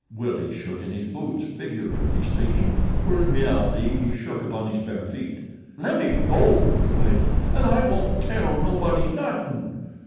Willie shook in his boots, figuratively speaking, for in reality he shook upon his bare feet. "Lemme go," he wailed, "an' I won't tell nobody nothin'."